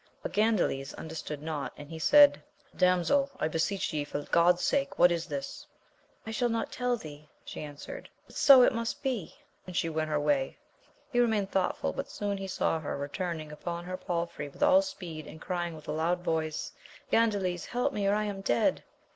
But Gandales understood not, and he said, Damsel, I beseech ye for God's sake, what is this ? I shall not tell thee, she answered, but so it must be. And she went her way. He remained thoughtful, but soon he saw her returning upon her palfrey with all speed, and crying with a loud voice, Gandales help me — or I am dead